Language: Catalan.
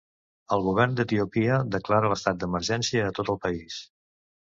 El govern d'Etiòpia declara l'estat d'emergència a tot el país.